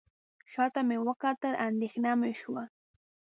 شاته مې وکتل اندېښنه مې شوه.